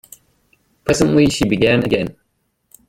Presently she began again.